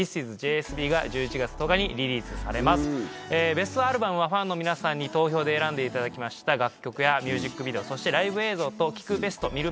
ベストアルバムはファンの皆さんに投票で選んでいただきました楽曲やミュージックビデオそしてライブ映像と聴くベスト見る